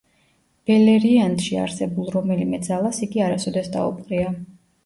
ბელერიანდში არსებულ რომელიმე ძალას იგი არასოდეს დაუპყრია.